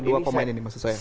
dua pemain ini maksud saya